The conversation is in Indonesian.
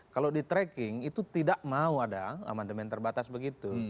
kalau di tracking itu tidak mau ada amandemen terbatas begitu